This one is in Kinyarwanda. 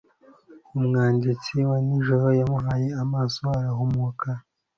Umwanditsi wa nijoro yamuhanze amaso aramutinyuka